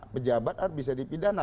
pejabat bisa dipidana